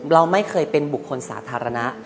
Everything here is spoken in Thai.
เราไม่เคยเป็นบุคคลสาธารณะ